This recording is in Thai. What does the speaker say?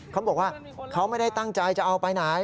เขาบอกว่าเขาไม่ได้ตั้งใจจะเอาไปไหน